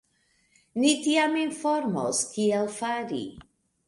Ni tiam informos kiel fari.